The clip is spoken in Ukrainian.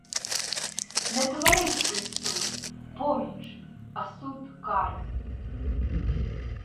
Не товариський суд — поміч, а суд — кара.